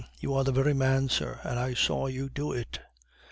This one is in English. You are the very man, sir, and I saw you do it."